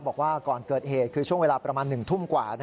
บอกว่าก่อนเกิดเหตุคือช่วงเวลาประมาณ๑ทุ่มกว่า